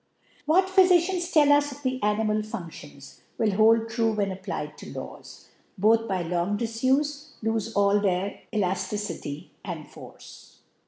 What Phyfidansl ttil us'Of the animal Fun£tions, wHl hold true>hen apt>Iied to Law^ : Both, by long^ Difufe, lofe all their ElafKcity and Force.